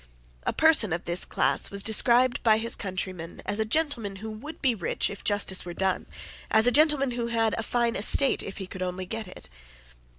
A person of this class was described by his countrymen as a gentleman who would be rich if justice were done, as a gentleman who had a fine estate if he could only get it.